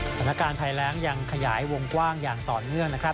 สถานการณ์ภัยแรงยังขยายวงกว้างอย่างต่อเนื่องนะครับ